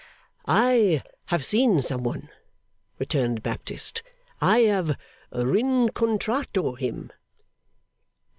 'I have seen some one,' returned Baptist. 'I have rincontrato him.